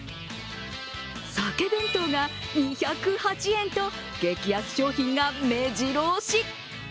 鮭弁当が２０８円と激安商品がめじろ押し。